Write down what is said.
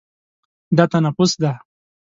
دا تنفس ده.